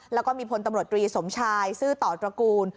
แล้วก็มีพลตำรวจตรีสมชายซื่อต่อตระกูล